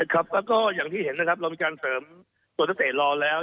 ครับก็อย่างที่เห็นนะครับเรามีการเสริมตัวนักเตะรอแล้ว